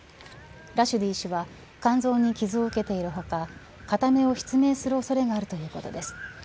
ラシュディ氏は肝臓に傷を受けている他片目を失明する恐れがあるということです。